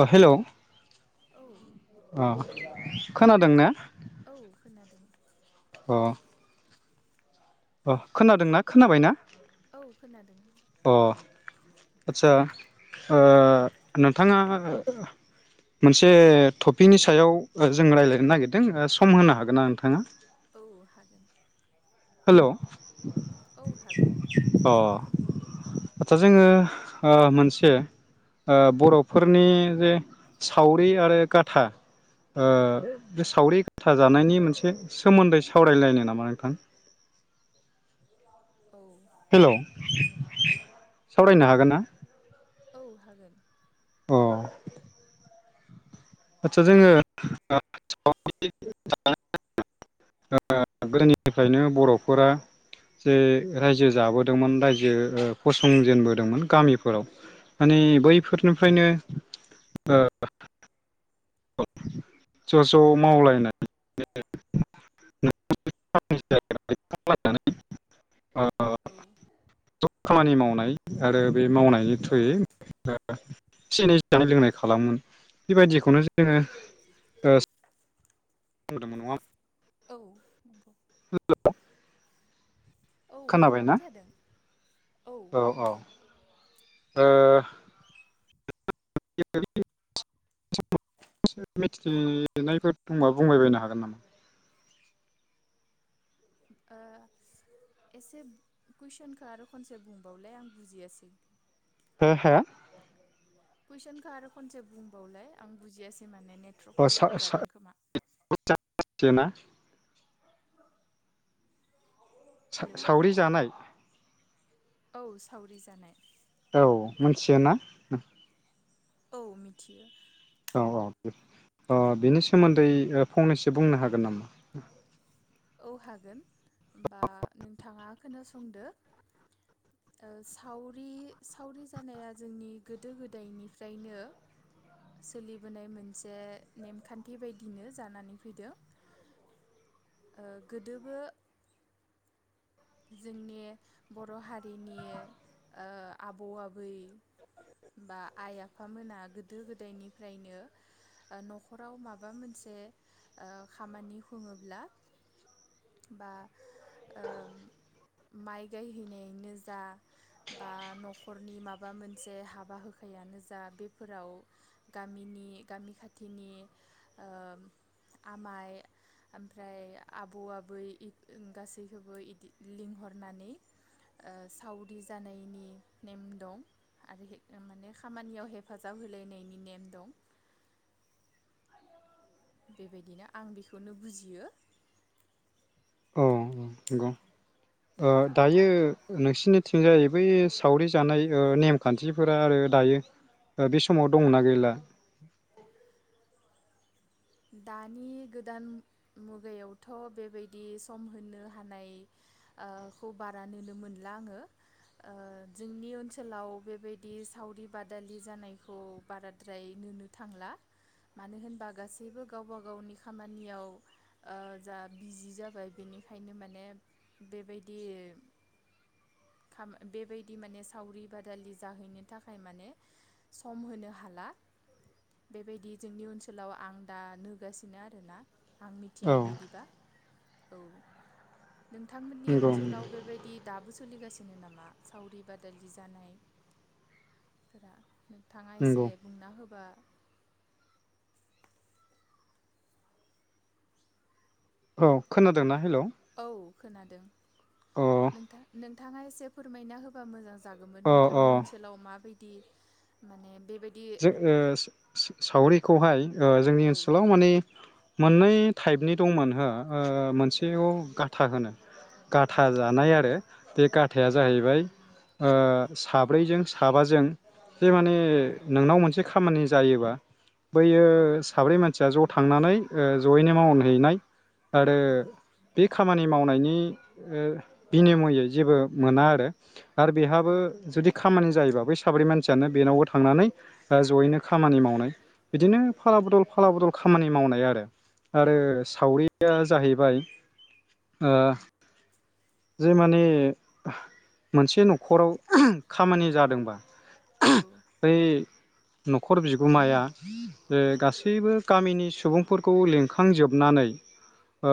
अ hello औ अ hello खोनादों ना औ खोनादों अ अ खोनादोंना खोनाबाय ना औ खोनादों आदसा ओ नोंथाङा मोनसे टपिनि सायाव जों रायज्लायनो नागिरदों सम होनो हागोन ना नोंथाङा? औ हागोन हेलौ, औ हागोन अ हेलौ खोनायाखै हा मोनसे आ बर'फोरनि जे सावरि आरो गाथा बे सावरि गाथा जानायनि मोनसे सोमोन्दै सावरायलायनो नामा नोंथां औ हेल' जागोन सावरायनो हागोन ना औ हागोन अ आदसा जोङो गोदोनिफ्रायनो बर'फोरा जे रायजो जाबोदोंमोन रायजो फसंजेनबोदोंमोन गामिफोराव माने औ बैफोरनिफ्रायनो ओ ज' ज' मावलायनाय [unintelligible] औ ज' खामानि मावो। नाय आरो बे मावनायनि थ्रुयै एसे एनै जानाय लोंनाय खालामोन बेबायदिखौनो जों जोंङो ओ [unintelligible] औ नंगौ। [unintelligible] औ खोनाबायना खोनाबाय थादों औ खोनादों। ओ [unintelligible] एसे मिथिनायफोर दंबा बुंबायबायनो हागोन नामा? ओ‌‌ एसे कुइसनखो आरो खनसे बुंबावलाय आं बुजियासै। हो हो। कुइसनखौ आरो खनसे बुंबावलाय आं बुजियासै माने नेटवर्क प्रब्लेम जादों खोमा [unintelligible] हेलौ सा-सावरि जानाय औ सावरि जानाय। औ मोनथियो ना? औ मिथियो। औ औ अ बेनि सोमोन्दै फंनैसो बुंनो हागोन नामा? औ हागोन होनबा नोंथाङा खोनासंदो ओ सावरि सावरि जानाया जोंनि गोदो गोदायनिफ्रायनो सोलिबोनाय मोनसे नेमखान्थि बायदिनो जानानै फैदो। ओ गोदोबो जोंनि बर' हारिनि ओ आबौ आबै बा आइ आफामोना गोदो गोदायनिफ्रायनो ओ न'खराव माबा मोनसे ओ खामानि खुङोब्ला बा ओ माइ गायहैनायानो जा बा न'खरनि माबा मोनसे हाबा होखायानो जा बेफोराव गामिनि गामि खाथिनि ओ आमाइ ओमफ्राय आबौ आबै गासैखौबो इदि लिंहरनानै ओ सावरि जानायनि नेम दं आरो माने खामानियाव हेफाजाब होलायनायनि नेम दं। बेबायदिनो आं बेखौनो बुजियो। ओं उम नंगौ ओ दायो नोंसिनिथिंजाय बै सावरि जानाय नेमखान्थिफोरा आरो दायो ओ बे समाव दंना गैला? दानि गोदान मुगायावथ' बेबायदि सम होनो हानाय ओ खौ बारा नुनो मोनला आङो ओ जोंनि ओनसोलाव बेबायदि सावरि बादालि जानायखौ बाराद्राय नुनो थांला मानो होनबा गासै बोयबो गावबा गावनि खामानियाव ओ जा बिजि जाबाय बेनिखायनो माने बेबायदि बेबायदि माने सावरि बादालि जाहैनो थाखाय माने सम होनो हाला बेबायदि जोंनि ओनसोलाव आं दा नोगासिनो आरोना। आं औ मिथिनाय बायदिबा। औ। नोंथांमोननि नंगौ ओनसोलाव बेबायदि दाबो सोलिगासिनो दिनो नामा सावरि बादालि जानायफोरा नोंथाङा एसे नंगौ बुंना होबा औ खोनादोंना? हेलौ औ खोनादों। नोंथां नों नोंथाङा एसे फोरमायना होबा मोजां जागौमोन अ अ नोंथांनि ओनसोलाव माबाय दि माने बेबायदि जों ओ स-स-सावरि खौहाय ओ जोंनि औ ओनसोलाव माने मोननै टाइपनि दंमोन हो ओ औ मोनसेयाव गाथा होनो। गाथा औ जानाय आरो बे गाथाया जाहैबाय ओ साब्रैजों साबाजों जे माने औ मोनसे खामानि जायोबा बैयो औ साब्रै मानसिया ज थांनानै ओ जयैनो मावनहैनाय आरो औ बे खा खामानि मावनायनि ओ बिनिमयै जेबो मोना आरो आरो औ बेहाबो जुदि खामानि जायोबा बै साब्रै मानसियानो बेनावबो थांनानै दा जयैनो खामानि मावनाय बिदिनो फाला बदल फाला बदल खामानि मावनाय आरो। औ आरो सावरिया जाहैबाय ओ जे माने मोनसे न'खराव खामानि जादोंबा बै न'खर बिगोमाया जे गासैबो गामिनि सुबुंफोरखौ लिंखांजोबनानै ओ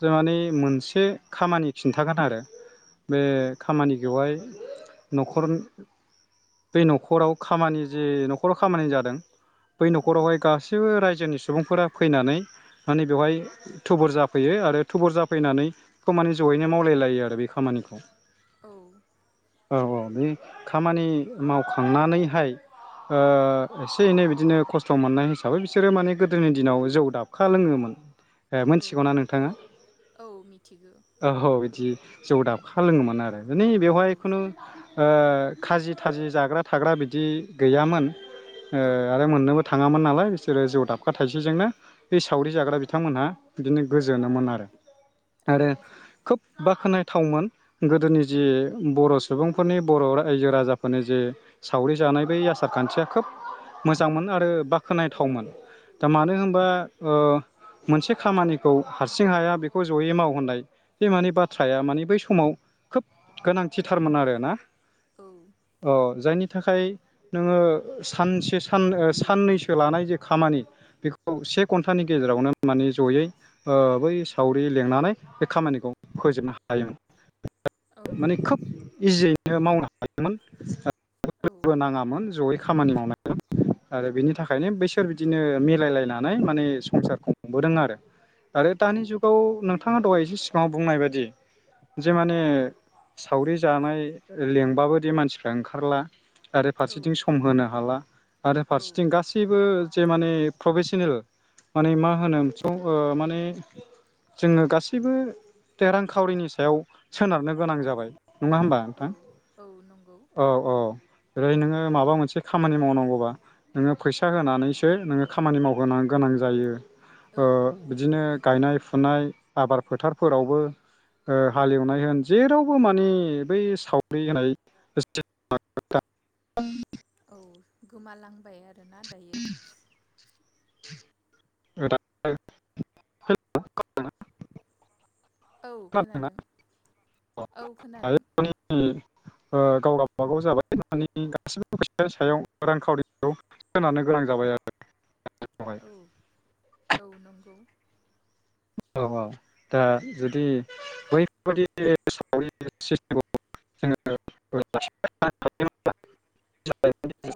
जोंहानि मोनसे खामानि खिन्थागोन आरो बे खामानिखौहाय न'खर बे न'खराव खामानि जे न'खराव खामानि जादों बै औ न'खरावहाय गासिबो रायजोनिफ्राय सुबुंफोरा फैनानै माने बेवहाय थुबुर जाफैयो आरो थुबुर जाफैनानै खमानिस जयैनो मावलायलायो आरो बे खामानिखौ। औ औ औ बे खामानि मावखांनानैहाय ओ एसे एनै बिदिनो खस्थ' मोननाय हिसाबै बिसोरो माने गोदोनि दिनाव जौ दाबखा लोङोमोन। ए औ मिथिगौ ना नोंथाङा? औ मिथिगौ औ बिदि जौ दाबखा लोङोमोन आरो माने औ बेवहाय खुनु ओ खाजि थाजि जाग्रा थाग्रा बिदि गैयामोन ओ औ आरो मोननोबो थ थाङामोन नालाय बिसोरो जौ दाबखा थाइसेजोंनो बे सावरि जाग्रा बिथांमोनहा बिदिनो औ गोजोनोमोन आरो औ आरो खोब बाख्नायथावमोन गोदोनि औ जि बर' सुबुंफोरनि बर' रायजो राजाफोरनि जे सावरि जानाय बै आसार खान्थिया खोब मोजांमोन आरो बा औ खोनथावमोन दा औ मानो होनबा ओ मोनसे खामानिखौ हारसिं हाया बेखौ जयै मावहोनाय बे मानि बाथ्राया मानि बै समाव खोब गोनांथि थारमोन आरो ना औ अ जायनि थाखाय नोङो सानसे सान साननैसो लानाय जे खामानि बेखौ से घन्टानि गेजेरावनो माने जयै बै ओ सावरि लेंनानै खामानिखौ फोजोबनो हायोमोन माने खोब इजियै मावनो हायो मोन ओ बो नाङामोन जयै खामानि मावनाय आरो बिनि थाखायनो बैसोर बिदिनो मिलायलायनानै माने संसारखौ हमबोदों आरो आरो दानि औ जुगाव नोंथाङा दहाय फाव बुंनाय बायदि जे माने सावरि जानाय लिंबाबोदि मानसिफ्रा ओंखारला आरो फारसेथिं सम होनो हाला आरो फारसेथिं गासैबो जे माने प्रफेसनेल माने मा होनो स ओ माने जोङो गासैबो बे रांखावरिनि सायाव सोनारनो गोनां औ जाबाय नङा होमबा औ नोंथां औ नंगौ औ औ ओेरै नोङो माबा मोनसे खामानि मावनांगौबा नोङो फैसा होनानैसो नोङो खामानि मावगोन गोनां जायो औ ओ बिदिनो गायनाय नाय आबाद फोथारफोर फोरावबो ओ औ हालेवनाय होन जेराव बो मानि बै सावरि होनाय [unintelligible] औ गोमालांबाय आरोना दायो [unintelligible] औ खोनादों औ खोनादों ओ गावगाबागाव [unintelligible] रांखाउरिनि सायाव सोनारनो गोनां जाबाय आरो। औ [unintelligible] औ नोंगौ [unintelligible] [unintelligible]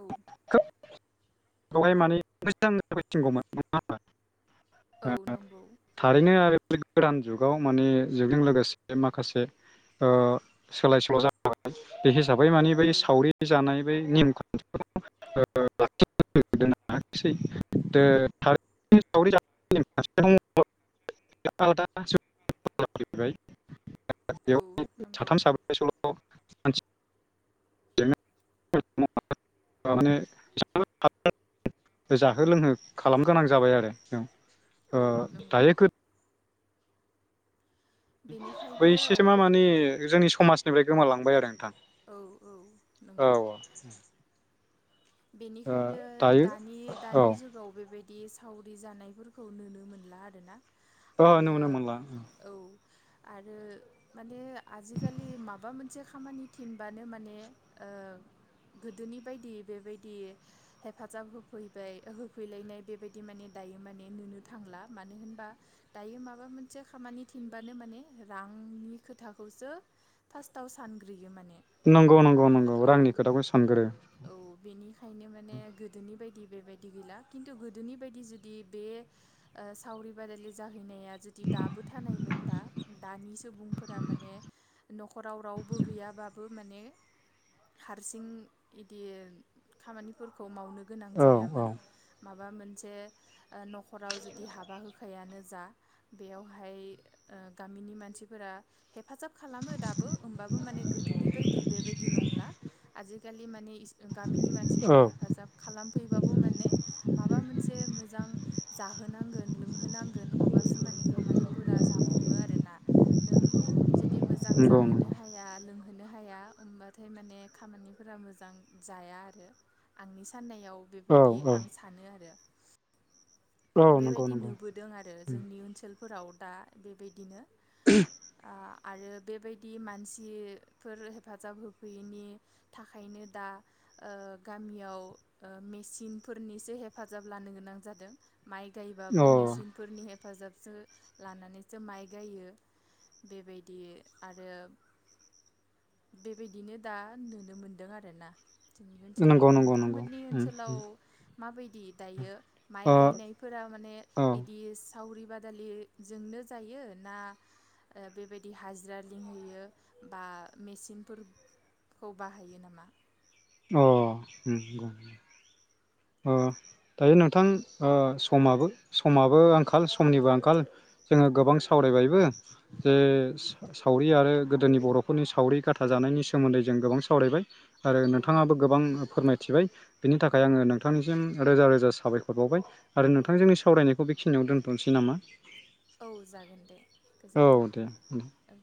औ माने मोजां [unintelligible] औ नंगौ [unintelligible] गोदान जुगाव माने जुगजों लोगोसे माखासे ओ सोलाय सोल' जाबाय बे हिसाबै माने बै औ सावरि जानाय बै नेम खान्थिखौ [unintelligible] [unintelligible] औ [unintelligible] नंगौ साथाम साब्रैसोल' [unintelligible] जाहो लोंहो खालाम गोनां जाबाय आरो औ ओ औ नोंगौ दायो बेनिखायनो बैसे मा मानि जोंनि स माजनिफ्राय गोमालांबाय आरो नोंथां। औ औ औ नंगौ ओ बेनिखायनो दायो दानि औ दानि जुगाव बेबायदि दि सावरि जानायफोरखौ नुनो मोनला आरोना। ओ आरो नुनो मोनला। औ आरो माने आजिखालि माबा मोनसे खामानि थिनबानो माने ओ गोदोनि बायदि बेबाय दि हेफाजाब होफैबाय होफैलायनाय बेबायदि माने दायो माने नुनो थांला मानो होनबा दायो माबा मोनसे खामानि थिनबानो माने रांनि खोथाखौसो फासथाव आव सानग्रोयो माने। नंगौ नंगौ नंगौ औ रांनि खोथाखौ सानगोरो खायनो माने गोदोनि बायदि बेबायदि गैला खिन्थु गोदोनि बायदि जुदि बे ओ सावरि बादालि जा हैनाया जुदि दाबो थानाय मोनबा दानि सुबुंफोरा माने न'खराव रावबो गैयाबाबो माने हारसिं इदि खामानिफोरखौ मावनो गोनां औ औ जायामोन मा बा मोनसे ओ न'खराव जुदि हाबा होनायानो जा बेयावहाय ओ गामिनि मानसिफोरा हेफाजाब खालामो दाबो ओमबाबो माने गोदोनि बायदि बेबायदि नंला आजिखालि माने गामिनि मान फ्रा औ हेफाजाब खालाम फैबाबो माने माबा मोनसे मोजां जाहो -नांगोन लोंहोनांगोन अबासो माने खामानिफोरा जाफुङो आरोना नों जुदि मोजां जाहोनो नंगौ हाया लों होनो हाया होमबाथाय माने खामानिफोरा मोजां जाया आरो आंनि साननाया याव नंगौ औ बेबायदि आं सानो आरो। औ नंगौ बेबायदि नंगौ नुबोदों आरो जोंनि ओनसोल फोराव दा बेबायदिनो आ आरो बेबायदि मानसिफोर हेफाजाब होफैयैनि थाखायनो दा ओ गामियाव ओ मेसिनफोरनिसो हेफाजाब लानो गोनां जादों। माइ अ गायबाबो मेसिनफोरनि हेफ फाजाबसो लानानैसो माइ गायो बेबायदि आरो बेबायदिनो दा नुनो मोनदों आरोना। ओनसोलाव नंगौ नंगौ नंगौ नोंथांमोननि उम ओनसोलाव उम माबायदि दायो माइ अ गायनाय फोरा माने औ अ इदिस सावरि बादालिजोंनो जायो ना ओ बेबायदि हाजिरा लिंहैयो बा मेचिनफोरखौ बाहायो नामा? अ उम गौ दायो नोंथांओ समाबो समाबो आंखाल समनिबो आंखाल जोङो औ गोबां सावरायबायबो जे औ सावरि आरो गोदोनि बर'फोरनि सावरि गाथाजानायनि सोमोन्दै जों गोबां सावरायबाय आरो औ नंगौ थिबाय बिनि थाखाय औ आङो नोंथांनिसिम रोजा रोजा साबायखर बावबाय आरो औ नोंथां जोंनि सावरायनायखोै बेक खिनियाव दोनथ'नोसै नामा? औ जागोन दे औ गोजोनथों दे औ